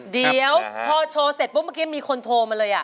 เดี๋ยวพอโชว์เสร็จปุ๊บเมื่อกี้มีคนโทรมาเลย